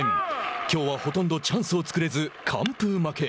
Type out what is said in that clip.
きょうはほとんどチャンスを作れず完封負け。